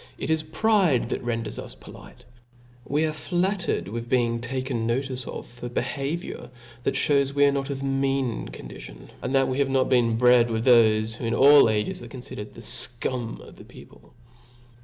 It i^ pride that renders us polite: we are flattered with being taken notice of for a behaviour that (hfcws we arc not of a mean condition, and that We have not been bred up with thofe who in all ages an< confidcred as the fcum of the people.